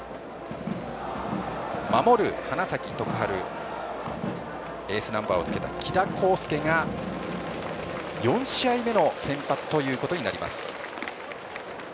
守る花咲徳栄エースナンバーをつけた木田康介が４試合目の先発ということになります。